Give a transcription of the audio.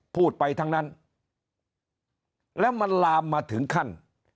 พูดไปทั้งนั้นแล้วมันลามมาถึงขั้น